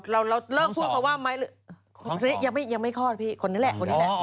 เราเลิกพูดเขาว่าไม่ยังไม่คลอดพี่คนนี้แหละ